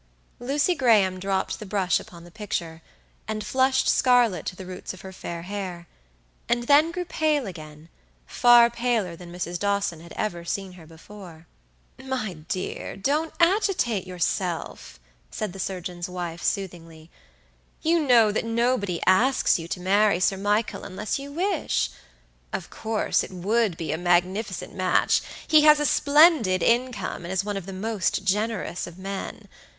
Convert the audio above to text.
Lucy Graham dropped the brush upon the picture, and flushed scarlet to the roots of her fair hair; and then grew pale again, far paler than Mrs. Dawson had ever seen her before. "My dear, don't agitate yourself," said the surgeon's wife, soothingly; "you know that nobody asks you to marry Sir Michael unless you wish. Of course it would be a magnificent match; he has a splendid income, and is one of the most generous of men.